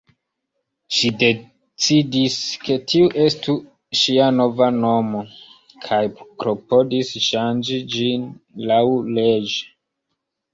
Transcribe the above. Ŝi decidis, ke tiu estu ŝia nova nomo, kaj klopodis ŝanĝi ĝin laŭleĝe.